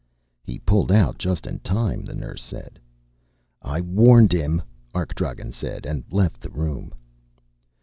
"He pulled out just in time," the nurse said. "I warned him," Arkdragen said, and left the room.